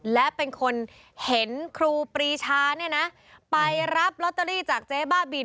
และเป็นคนเห็นครูปรีชาเนี่ยนะไปรับลอตเตอรี่จากเจ๊บ้าบิน